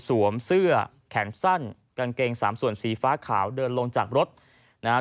เสื้อแขนสั้นกางเกงสามส่วนสีฟ้าขาวเดินลงจากรถนะฮะ